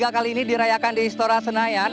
tiga kali ini dirayakan di istora senayan